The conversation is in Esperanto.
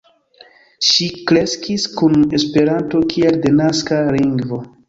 Ŝi kreskis kun Esperanto kiel denaska lingvo.